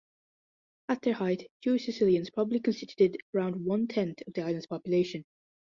At their height, Jewish Sicilians probably constituted around one tenth of the island's population.